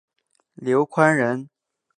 刘宽人。